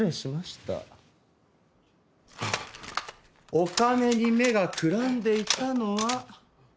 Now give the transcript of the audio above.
お金に目がくらんでいたのは。